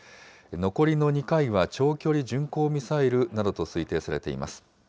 残りの２回は長距離巡航ミサイルなどと推定されています。